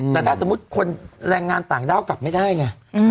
แต่ถ้าสมมุติคนแรงงานต่างด้าวกลับไม่ได้ไง